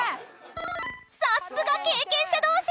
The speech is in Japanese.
［さすが経験者同士］